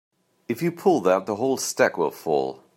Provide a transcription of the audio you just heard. If you pull that the whole stack will fall.